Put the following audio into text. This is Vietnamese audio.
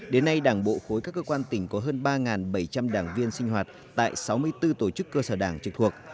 đến nay đảng bộ khối các cơ quan tỉnh có hơn ba bảy trăm linh đảng viên sinh hoạt tại sáu mươi bốn tổ chức cơ sở đảng trực thuộc